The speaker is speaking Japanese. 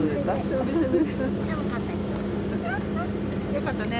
よかったね。